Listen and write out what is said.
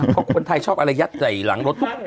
เพราะคนไทยชอบอะไรยัดใส่หลังรถทุก